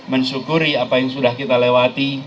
mensyukuri apa yang sudah kita lewati